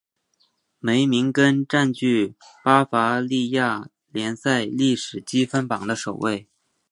梅明根占据巴伐利亚联赛历史积分榜的首位。